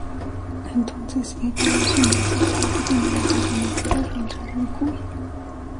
Entonces el clan Shimazu solicitó una misión punitiva contra Ryūkyū.